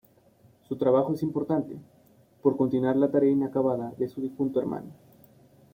Su trabajo es importante, por continuar la tarea inacabada de su difunto hermano.